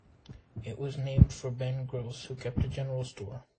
It was named for Ben Gross, who kept a general store.